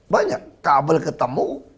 banyak kabel ketemu